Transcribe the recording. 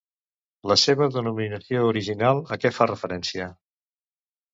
La seva denominació original, a què fa referència?